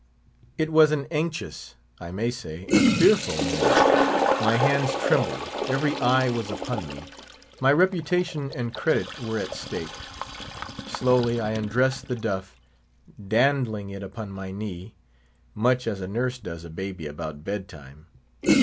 It was an anxious, I may say, a fearful moment. My hands trembled; every eye was upon me; my reputation and credit were at stake. Slowly I undressed the duff, dandling it upon my knee, much as a nurse does a baby about bed time.